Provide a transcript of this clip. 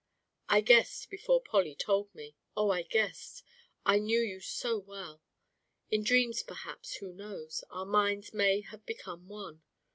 I guessed before Polly told me oh, I guessed! I knew you so well. In dreams, perhaps, who knows? our minds may have become one.